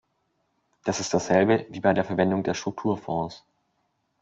Das ist dasselbe wie bei der Verwendung der Strukturfonds.